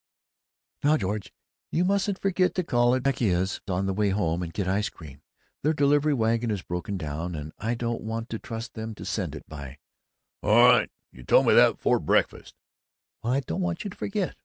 "Now, George, you mustn't forget to call in at Vecchia's on the way home and get the ice cream. Their delivery wagon is broken down, and I don't want to trust them to send it by " "All right! You told me that before breakfast!" "Well, I don't want you to forget.